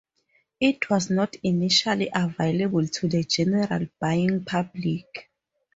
It was not initially available to the general buying public.